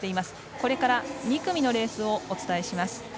これから２組のレースをお伝えします。